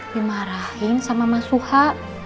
dimarahin sama mas suha